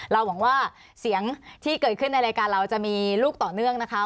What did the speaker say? หวังว่าเสียงที่เกิดขึ้นในรายการเราจะมีลูกต่อเนื่องนะคะ